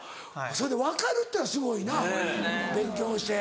それで分かるってのがすごいな勉強して。